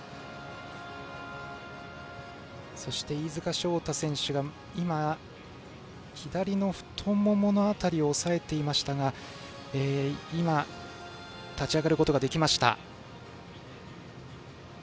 そして飯塚翔太選手が左の太ももの辺りを押さえていましたが今、立ち上がることができました。